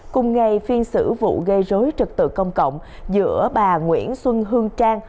cùng ngày phiên xử vụ gây rối trực tự công cộng giữa bà nguyễn xuân hương trang